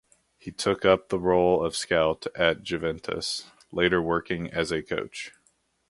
He took up the role of scout at Juventus, later working as a coach.